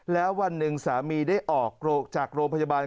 แล้ววันหนึ่งสามีได้ออกจากโรงพยาบาล